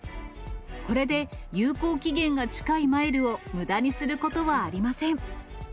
これで、有効期限が近いマイルをむだにすることはありません。